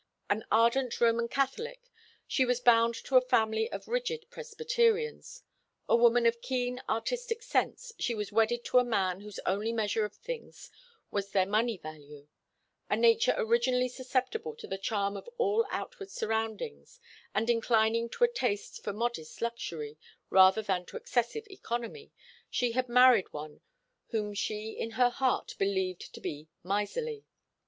An ardent Roman Catholic, she was bound to a family of rigid Presbyterians; a woman of keen artistic sense, she was wedded to a man whose only measure of things was their money value; a nature originally susceptible to the charm of all outward surroundings, and inclining to a taste for modest luxury rather than to excessive economy, she had married one whom she in her heart believed to be miserly.